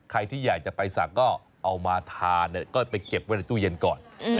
ใครที่อยากจะไปสั่งก็เอามาทานก็ไปเก็บไว้ในตู้เย็นก่อน